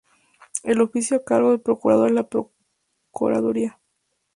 El oficio o cargo del procurador es la procuraduría.